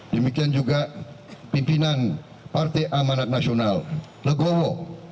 demikian juga pimpinan partai amanat nasional legowo